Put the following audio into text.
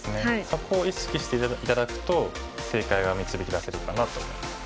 そこを意識して頂くと正解が導き出せるかなと思います。